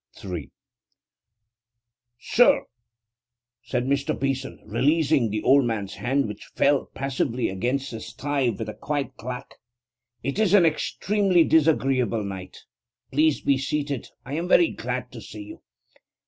< 3 > 'Sir,' said Mr. Beeson, releasing the old man's hand, which fell passively against his thigh with a quiet clack, 'it is an extremely disagreeable night. Pray be seated; I am very glad to see you.'